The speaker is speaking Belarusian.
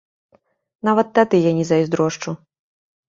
Нават тады я не зайздрошчу.